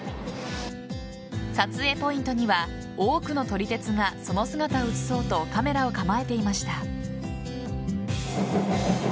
撮影ポイントには多くの撮り鉄がその姿を写そうとカメラを構えていました。